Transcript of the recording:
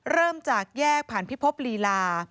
เริ่มจากแยกผ่านพิภพลีลา